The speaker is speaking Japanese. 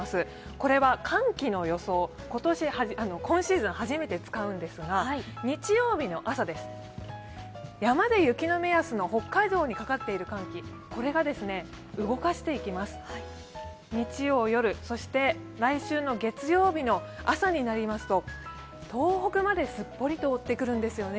これは寒気の予想、今シーズン初めて使うんですが日曜日の朝です、山で雪の目安の北海道にかかっている寒気、これが来週の月曜日の朝になりますと東北まですっぽりと覆ってくるんですね。